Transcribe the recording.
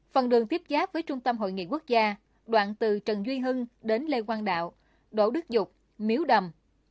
phần đường tiếp giáp với trung tâm hội nghị quốc gia đoạn từ trần duy hưng đến lê quang đạo đỗ đức dục miếu đầm